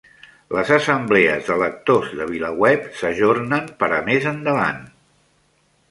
Les Assemblees de Lectors de VilaWeb s'ajornen per a més endavant